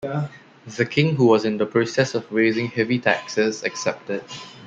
The King, who was in the process of raising heavy taxes, accepted.